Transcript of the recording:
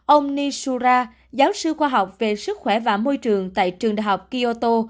ông nishura giáo sư khoa học về sức khỏe và môi trường tại trường đại học kyoto